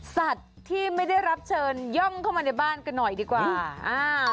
สัตว์ที่ไม่ได้เริ่มเชิญย่อมเข้ามาในบ้านกันหน่อยก่อน